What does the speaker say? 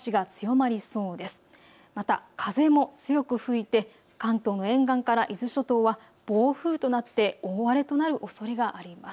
また風も強く吹いて関東の沿岸から伊豆諸島は暴風となって大荒れとなるおそれがあります。